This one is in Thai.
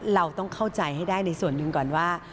เราต้องเข้าใจให้ได้ในส่วนหนึ่งก่อนว่า